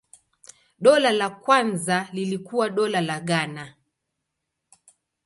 Dola la kwanza lilikuwa Dola la Ghana.